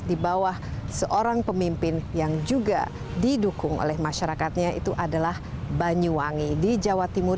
di bawah seorang pemimpin yang juga didukung oleh masyarakatnya itu adalah banyuwangi di jawa timur